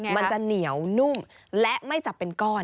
มันจะเหนียวนุ่มและไม่จับเป็นก้อน